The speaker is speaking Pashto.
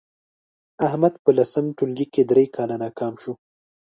احمد په لسم ټولگي کې درې کاله ناکام شو